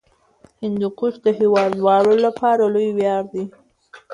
هندوکش د هیوادوالو لپاره لوی ویاړ دی.